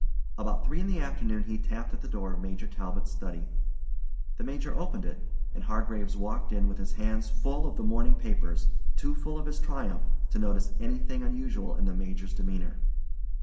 About three in the afternoon he tapped at the door of Major Talbot's study. The Major opened it, and Hargraves walked in with his hands full of the morning papers—too full of his triumph to notice anything unusual in the Major's demeanor.